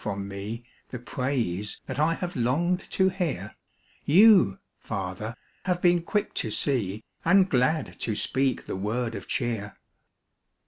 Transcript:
from me The praise that I have longed to hear, Y>u, Father, have been quick to see Ar^d glad to speak the word of cheer.